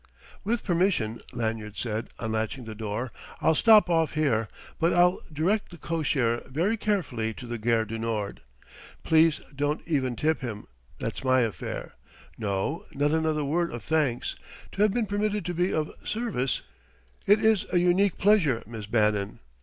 "With permission," Lanyard said, unlatching the door, "I'll stop off here. But I'll direct the cocher very carefully to the Gare du Nord. Please don't even tip him that's my affair. No not another word of thanks; to have been permitted to be of service it is a unique pleasure, Miss Bannon.